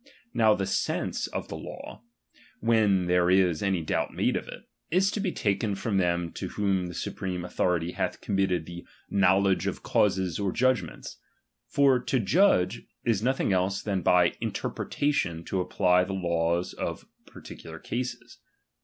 Now the sense of the law, when there is any doubt made of it, is to be taken from them to ■whom the supreme authority hath committed the knowledge of causes or judgments ; for to judge, 13 nothing else than by interpretation to apply the laws to particular cases.